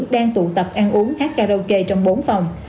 đang tụ tập ăn uống hát karaoke trong bốn phòng